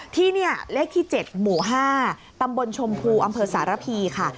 ที่นี่เลขที่๗หมู่๕ตำบลชมพูอำเภอสารพีค่ะ